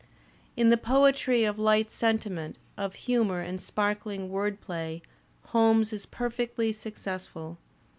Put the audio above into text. In the poetry of light sentiment, of humour and sparkling word play Holmes is perfectly successful.